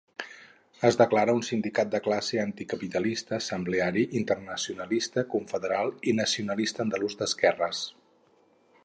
Es declara un sindicat de classe, anticapitalista, assembleari, internacionalista, confederal i nacionalista andalús d'esquerres.